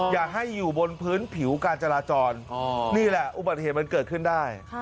อย่าให้อยู่บนพื้นผิวการจราจรนี่แหละอุบัติเหตุมันเกิดขึ้นได้